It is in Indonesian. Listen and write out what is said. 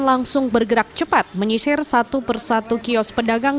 langsung bergerak cepat menyisir satu persatu kios pedagang